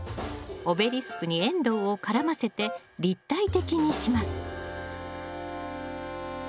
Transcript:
オベリスクにエンドウを絡ませて立体的にします